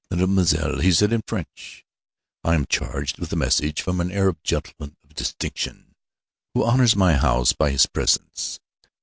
"Mademoiselle," he said, in French, "I am charged with a message from an Arab gentleman of distinction, who honours my house by his presence.